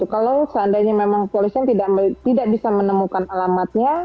kalau seandainya memang polisian tidak bisa menemukan alamatnya